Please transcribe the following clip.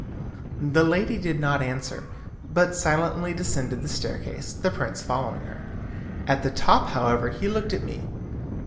The lady did not answer, but silently descended the staircase, the prince following her. At the top, however, he looked at me.